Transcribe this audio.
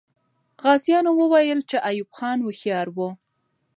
غازیان وویل چې ایوب خان هوښیار وو.